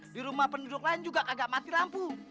di rumah penduduk lain juga agak mati lampu